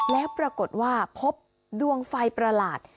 แล้วปรากฏว่าพบดวงไฟประหลาด